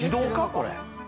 これ。